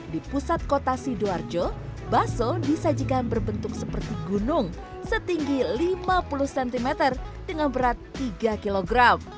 di pusat kota sidoarjo baso disajikan berbentuk seperti gunung setinggi lima puluh cm dengan berat tiga kg